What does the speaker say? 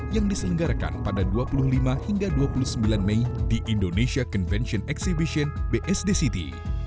yang diselenggarakan pada dua puluh lima hingga dua puluh sembilan mei di indonesia convention exhibition bsd city